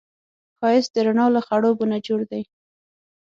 ښایست د رڼا له خړوبو نه جوړ دی